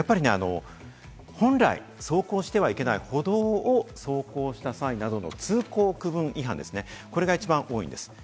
本来走行してはいけない歩道を走行した際などの通行区分違反ですね、これが一番多いです。